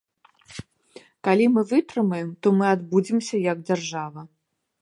Калі мы вытрымаем, то мы адбудземся як дзяржава.